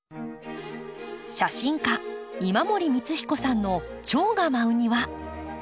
写真家今森光彦さんのチョウが舞う庭。